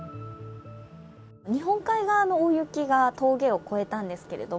日本海側の大雪は峠を越えたんですけれども